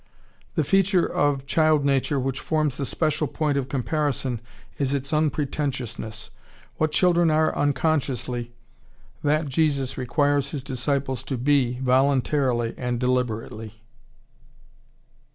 "The feature of child nature which forms the special point of comparison is its unpretentiousness. What children are unconsciously, that Jesus requires His disciples to be voluntarily and deliberately."